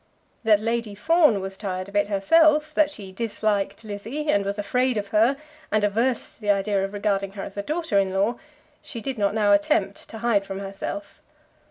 That Lady Fawn was tired of it herself, that she disliked Lizzie, and was afraid of her, and averse to the idea of regarding her as a daughter in law, she did not now attempt to hide from herself.